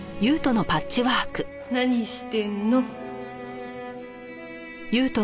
何してんの？